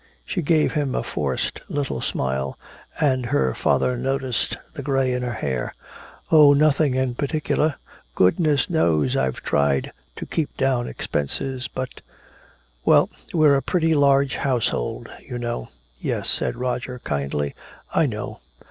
She gave him a forced little smile, and her father noticed the gray in her hair. "Oh, nothing in particular. Goodness knows I've tried to keep down expenses, but well, we're a pretty large household, you know " "Yes," said Roger kindly, "I know.